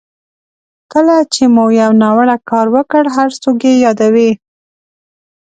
کله چې مو یو ناوړه کار وکړ هر څوک یې یادوي.